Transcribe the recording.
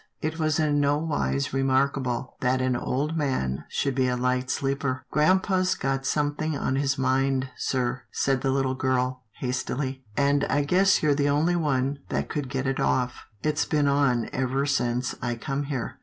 It was in no wise remarkable, that an old man should be a light sleeper. " Grampa's got something on his mind, sir," said the little girl, hastily, " and I guess you're the only one that could get it off. It's been on ever since I come here.